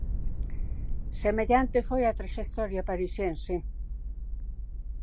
Semellante foi a traxectoria parisiense.